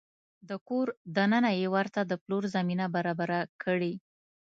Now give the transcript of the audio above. په کور دننه يې ورته د پلور زمینه برابره کړې